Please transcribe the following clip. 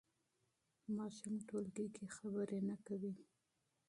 ماشوم ټولګي کې خبرې نه کوي.